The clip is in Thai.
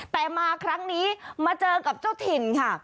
แต่มาครั้งนี้มาเจอกับเจ้าถิ่นค่ะ